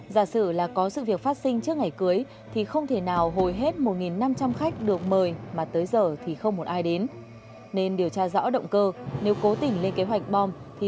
giả sử là có sự việc phát sinh trước ngày cưới thì không thể nào hồi hết một năm trăm linh khách